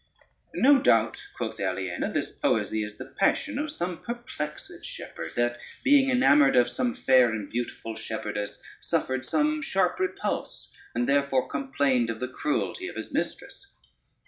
"No doubt," quoth Aliena, "this poesy is the passion of some perplexed shepherd, that being enamored of some fair and beautiful shepherdess, suffered some sharp repulse, and therefore complained of the cruelty of his mistress."